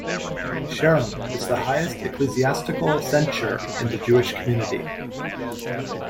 Cherem is the highest ecclesiastical censure in the Jewish community.